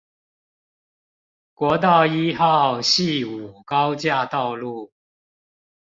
國道一號汐五高架道路